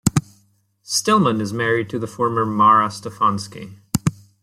Stillman is married to the former Mara Stefanski.